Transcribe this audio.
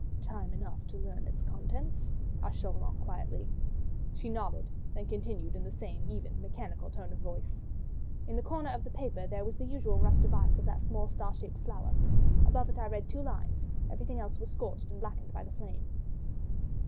"Time enough to learn its contents?" asked Chauvelin, quietly. She nodded. Then she continued in the same even, mechanical tone of voice— "In the corner of the paper there was the usual rough device of a small star shaped flower. Above it I read two lines, everything else was scorched and blackened by the flame."